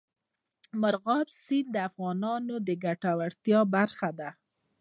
مورغاب سیند د افغانانو د ګټورتیا برخه ده.